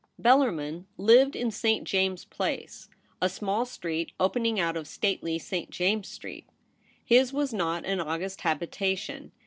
ELLARMIN lived in St. James's Place, a small street opening out of stately St. James's Street. His was not an august habitation.